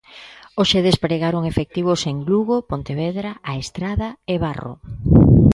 Hoxe despregaron efectivos en Lugo, Pontevedra, A Estrada e Barro.